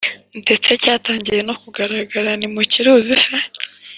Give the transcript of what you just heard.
ndetse cyatangiye no kugaragara ; ntimukiruzi se ?